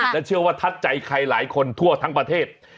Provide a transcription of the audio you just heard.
และเชื่อว่าทัดใจใครหลายคนทั่วทั้งประเทศ